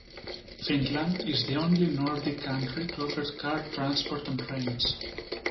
Finland is the only Nordic country to offer car transport on trains.